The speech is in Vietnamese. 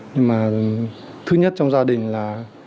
nhưng mà thứ nhất trong gia đình là